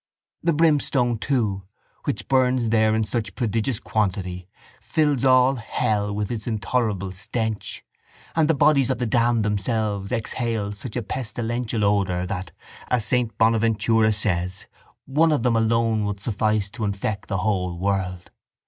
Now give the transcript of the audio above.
The brimstone, too, which burns there in such prodigious quantity fills all hell with its intolerable stench; and the bodies of the damned themselves exhale such a pestilential odour that, as saint Bonaventure says, one of them alone would suffice to infect the whole world.